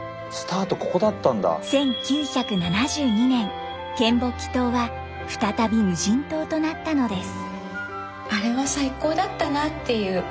１９７２年嶮暮帰島は再び無人島となったのです。